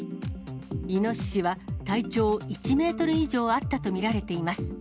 イノシシは、体長１メートル以上あったと見られています。